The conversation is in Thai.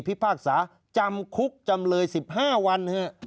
พิพากษาจำคุกจำเลยสิบห้าวันอ๋อ